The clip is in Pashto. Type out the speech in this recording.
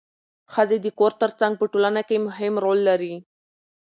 ښځې د کور ترڅنګ په ټولنه کې مهم رول لري